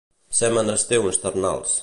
Ser menester uns ternals.